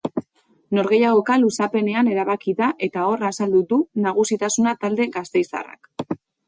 Norgehiagoka luzapenean erabaki da eta hor azaldu du nagusitasuna talde gasteiztarrak.